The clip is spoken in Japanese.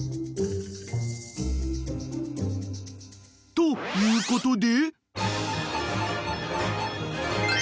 ということで］